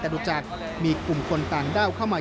ดูจากมีกลุ่มคนต่างด้าวเข้ามา